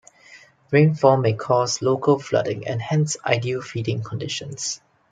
Rainfall may cause local flooding and hence ideal feeding conditions.